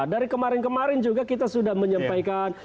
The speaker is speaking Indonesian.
dari kemarin kemarin juga kita sudah menyampaikan